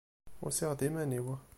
Usiɣ-d iman-iw.